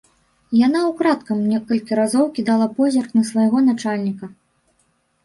Яна ўкрадкам некалькі разоў кідала позірк на свайго начальніка.